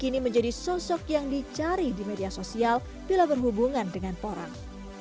kini menjadi sosok yang dicari di media sosial bila berhubungan dengan porang